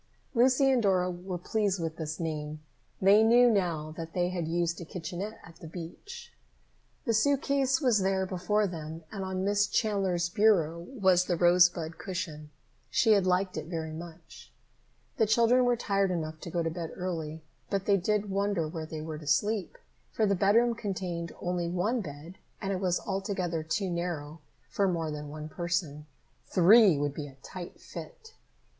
Lucy and Dora were pleased with this name. They knew now that they had used a kitchenette at the beach. The suit case was there before them and on Miss Chandler's bureau was the rosebud cushion. She had liked it very much. The children were tired enough to go to bed early, but they did wonder where they were to sleep, for the bedroom contained only one bed, and it was altogether too narrow for more than one person. Three would be a tight fit.